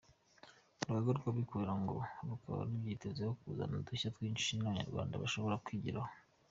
Urugaga rw’abikorera ngo rukaba rubyitezeho kuzana udushya twinshi Abanyarwanda bashobora kwigiraho.